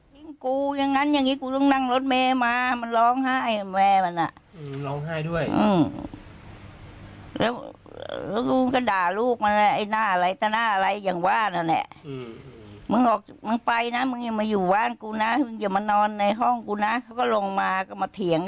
มึงไปออกกลับบ้านไปนะมึงทำให้กูเหน็ดเหนื่อย